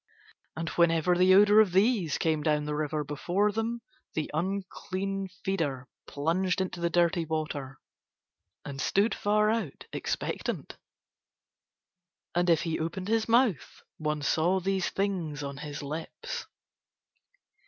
And whenever the odor of these came down the river before them the unclean feeder plunged into the dirty water and stood far out, expectant. And if he opened his mouth one saw these things on his lips.